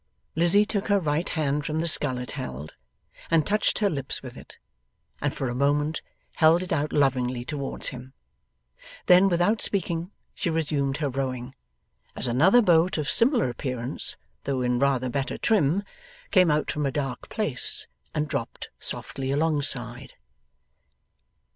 Lizzie took her right hand from the scull it held, and touched her lips with it, and for a moment held it out lovingly towards him: then, without speaking, she resumed her rowing, as another boat of similar appearance, though in rather better trim, came out from a dark place and dropped softly alongside.